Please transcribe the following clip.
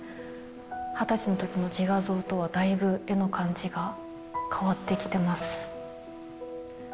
二十歳のときの自画像とは大分絵の感じが変わってきてます。